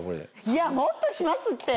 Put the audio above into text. いやもっとしますって！